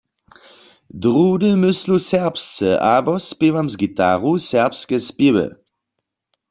Druhdy myslu serbsce abo spěwam z gitaru serbske spěwy.